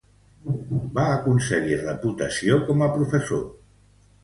Va aconseguir reputació com a professor.